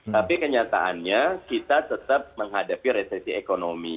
tapi kenyataannya kita tetap menghadapi resesi ekonomi